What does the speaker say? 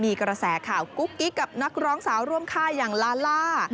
มีกระแสข่าวกุ๊กกิ๊กกับนักร้องสาวร่วมค่ายอย่างลาล่า